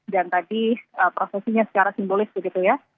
dan tadi prosesinya secara simbolis begitu ya